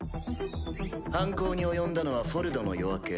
犯行に及んだのは「フォルドの夜明け」。